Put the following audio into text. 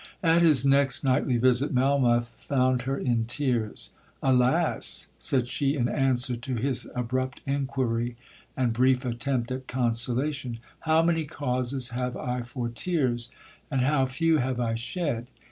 'At his next nightly visit, Melmoth found her in tears. 'Alas!' said she in answer to his abrupt inquiry, and brief attempt at consolation, 'How many causes have I for tears—and how few have I shed?